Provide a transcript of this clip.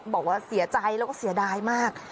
บอกว่าเสียใจแล้วก็เสียดายมาก